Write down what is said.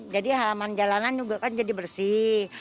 jadi halaman jalanan juga kan jadi bersih